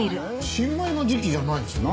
新米の時期じゃないですよね。